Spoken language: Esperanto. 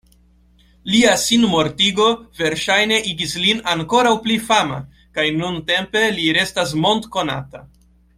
Lia sinmortigo verŝajne igis lin ankoraŭ pli fama, kaj nuntempe li restas mond-konata.